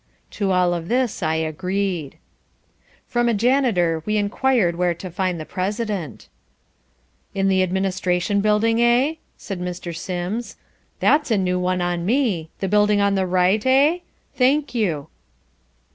To all of this I agreed. From a janitor we inquired where to find the President. "In the Administration Building, eh?" said Mr. Sims. "That's a new one on me. The building on the right, eh? Thank you."